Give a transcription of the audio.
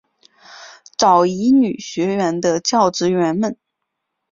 早乙女学园的教职员们。